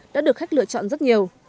đã được khách lựa chọn rất nhiều